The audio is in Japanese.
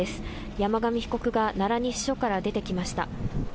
山上被告が奈良西署から出てきました。